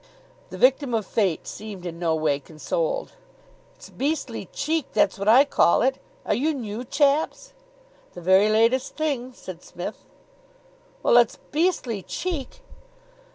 The victim of Fate seemed in no way consoled. "It's beastly cheek, that's what I call it. Are you new chaps?" "The very latest thing," said Psmith. "Well, it's beastly cheek."